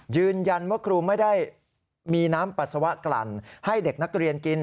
ยืนยันว่าครูไม่ได้มีน้ำปัสสาวะกลั่นให้เด็กนักเรียนกิน